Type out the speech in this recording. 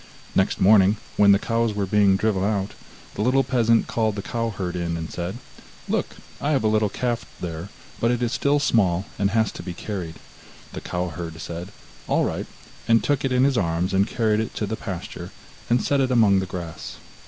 Next morning when the cows were being driven out, the little peasant called the cow herd in and said: 'Look, I have a little calf there, but it is still small and has to be carried.' The cow herd said: 'All right,' and took it in his arms and carried it to the pasture, and set it among the grass.